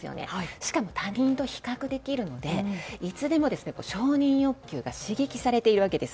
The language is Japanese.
しかも他人と比較できるのでいつでも承認欲求が刺激されているわけです。